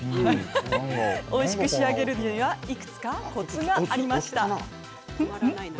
おいしく仕上げるにはいくつかコツがありました。